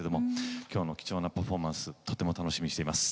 きょうの貴重なパフォーマンスとても楽しみにしています。